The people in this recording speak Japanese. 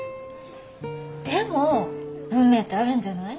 でも運命ってあるんじゃない？